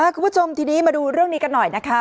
คุณผู้ชมทีนี้มาดูเรื่องนี้กันหน่อยนะคะ